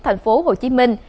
thành phố hồ chí minh